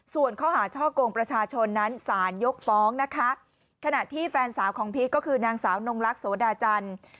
ส่วนข้อหาช่อกงประชาชนนั้นสารยกฟ้องนะคะขณะที่แฟนสาวของพีชก็คือนางสาวนงลักษวดาจันทร์